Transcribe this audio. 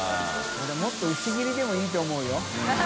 海もっと薄切りでもいいと思うよ。